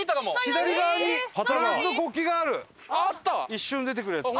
一瞬出てくるやつ。